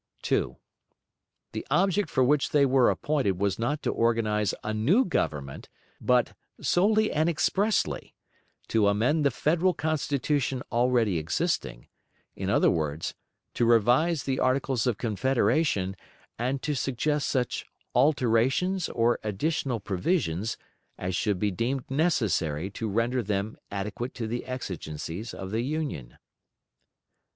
2. The object for which they were appointed was not to organize a new Government, but "solely and expressly" to amend the "Federal Constitution" already existing; in other words, "to revise the Articles of Confederation," and to suggest such "alterations" or additional "provisions" as should be deemed necessary to render them "adequate to the exigencies of the Union."